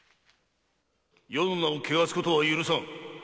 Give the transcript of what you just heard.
・余の名を汚すことは許さん。